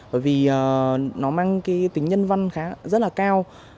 bởi vì nó mang cái tính nhân văn rất là cao